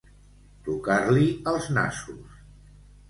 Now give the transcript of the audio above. Tocar-li els nassos.